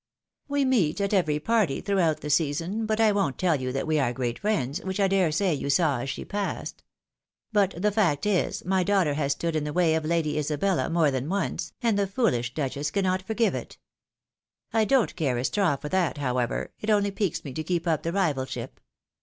" We meet at every party throughout the season, but I won't tell you that we are great friends, which I dare say you saw as she passed. But the fact is, my daughter has stood in the way of Lady Isabella more than once, and the foolish duchess cannot forgive it. I don't care a straw for that, however, it only piques me to keep up the rivalship.